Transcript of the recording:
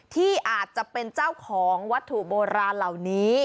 ที่อาจจะเป็นเจ้าของวัตถุโบราณเหล่านี้